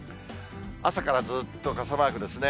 朝からずっと傘マークですね。